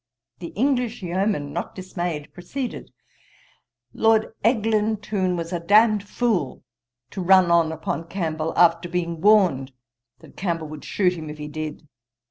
The English yeoman, not dismayed, proceeded: 'Lord Eglintoune was a damned fool to run on upon Campbell, after being warned that Campbell would shoot him if he did.'